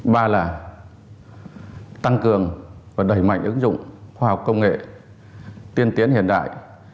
ba là tăng cường và đẩy mạnh ứng dụng khoa học công nghệ tiên tiến hiện đại